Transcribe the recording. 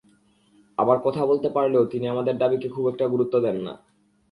আবার কথা বলতে পারলেও তিনি আমাদের দাবিকে খুব একটা গুরুত্ব দেন না।